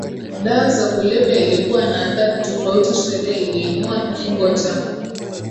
dawa za kulevya ilikuwa na athari tofauti Sheria iliinua kifungo cha